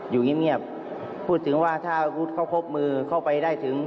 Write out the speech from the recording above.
อยู่เงียบพูดถึงว่าถ้าอาวุธเขาครบมือเข้าไปได้ถึง